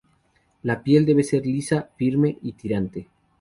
La piel debe ser lisa, firme y tirante.